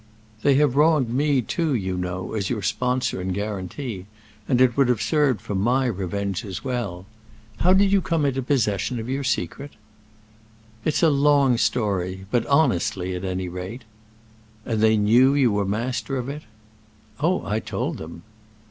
They have wronged me too, you know, as your sponsor and guarantee, and it would have served for my revenge as well. How did you come into possession of your secret?" "It's a long story. But honestly, at any rate." "And they knew you were master of it?" "Oh, I told them."